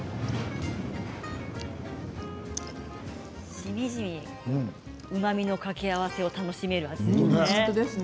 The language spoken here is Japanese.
しみじみうまみの掛け合わせを楽しめますね。